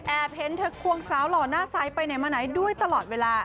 แอร์เพ้นท์เธอควงสาวหล่อหน้าไซน์ไปไหนมาไหนด้วยตลอดเวลา